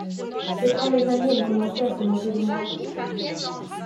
C'est quand mes amis ont commencé à se moquer de moi.